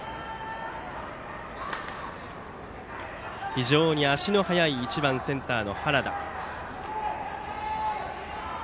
非常に足の速い１番センターの原田。